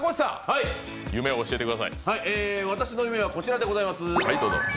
私の夢はこちらでございます。